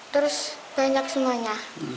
terus banyak semuanya